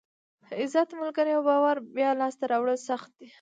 عزت، ملګري او باور بیا لاسته راوړل سخت دي.